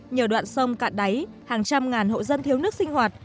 nhiều đoạn sông cạn đáy hàng trăm ngàn hộ dân thiếu nước sinh hoạt